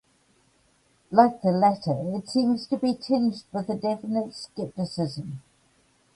Like the latter, it seems to be tinged with a definite scepticism.